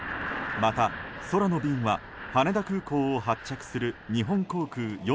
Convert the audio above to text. また、空の便は羽田空港を発着する日本航空４４